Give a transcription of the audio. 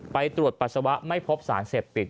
ไปตรวจปัสสาวะไม่พบสารเสพติด